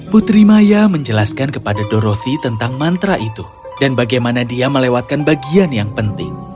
putri maya menjelaskan kepada dorossi tentang mantra itu dan bagaimana dia melewatkan bagian yang penting